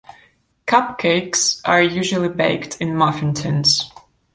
Cupcakes are usually baked in muffin tins.